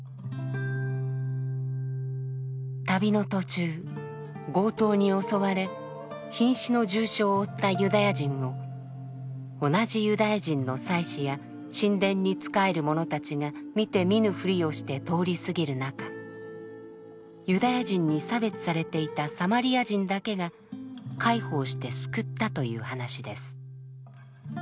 旅の途中強盗に襲われひん死の重傷を負ったユダヤ人を同じユダヤ人の祭司や神殿に仕える者たちが見て見ぬふりをして通り過ぎる中ユダヤ人に差別されていたサマリア人だけが介抱して救ったという話です。